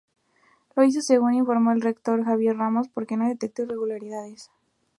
Lo hizo, según informó el rector Javier Ramos, porque no detectó irregularidades.